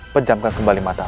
penjamkan kembali matamu